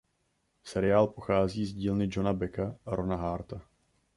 Seriál pochází z dílny Johna Becka a Rona Harta.